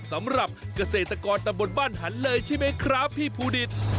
สำหรับเกษตรกรตำบลบ้านหันเลยใช่ไหมครับพี่ภูดิต